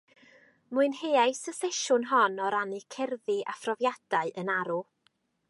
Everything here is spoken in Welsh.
Mwynheais y sesiwn hon o rannu cerddi a phrofiadau yn arw